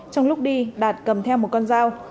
trong lúc đi đạt cầm theo một con dao